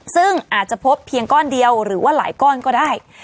ซึ่งอาจจะพบเพียงก้อนเดียวหรือว่าหลายก้อนก็ได้